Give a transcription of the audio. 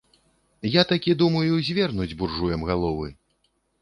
Я такі думаю, звернуць буржуям галовы!